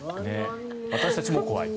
私たちも怖い。